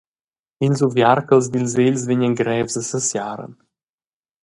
Ils uviarchels dils egls vegnan grevs e sesiaran.